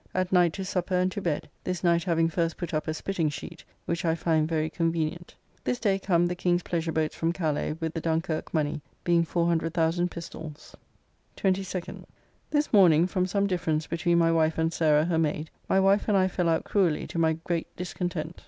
At night to supper and to bed: this night having first put up a spitting sheet, which I find very convenient. This day come the King's pleasure boats from Calais, with the Dunkirk money, being 400,000 pistolles. 22nd. This morning, from some difference between my wife and Sarah, her maid, my wife and I fell out cruelly, to my great discontent.